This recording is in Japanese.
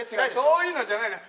そういうのじゃないのよ。